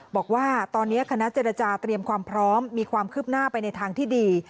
บอกว่าตอนนี้คณะเจรจาเตรียมความพร้อมมีความคืบหน้าไปในทางที่ดี